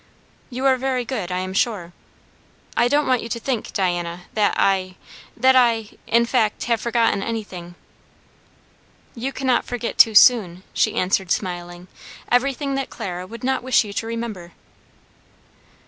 "You are very good, I am sure. I don't want you to think, Diana, that I that I, in fact, have forgotten anything" "You cannot forget too soon," she answered, smiling, "everything that Clara would not wish you to remember."